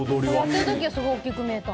やってる時はすごい大きく見えた。